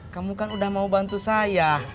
kamu kan udah mau bantu saya